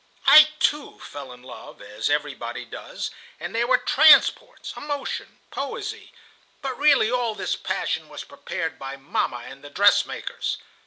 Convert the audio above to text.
I, too, fell in love, as everybody does, and there were transports, emotions, poesy; but really all this passion was prepared by mamma and the dressmakers.